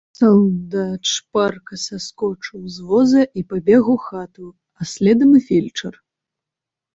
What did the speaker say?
Салдат шпарка саскочыў з воза і пабег у хату, а следам і фельчар.